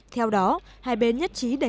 theo đó hai bên nhất trí đẩy